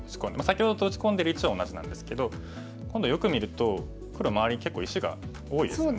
先ほどと打ち込んでる位置は同じなんですけど今度よく見ると黒周りに結構石が多いですよね。